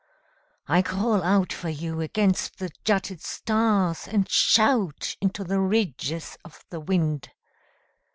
I call out for you against the jutted stars And shout into the ridges of the wind.